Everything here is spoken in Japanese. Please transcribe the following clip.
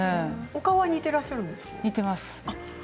お顔は似ていらっしゃるんですか。